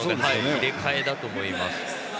入れ替えだと思います。